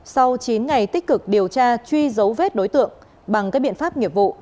sau chín ngày tích cực điều tra truy dấu vết đối tượng bằng các biện pháp nghiệp vụ